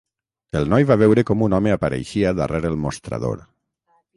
El noi va veure com un home apareixia darrere el mostrador.